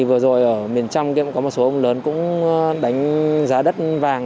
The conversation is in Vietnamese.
vừa rồi ở miền trung có một số ông lớn cũng đánh giá đất vàng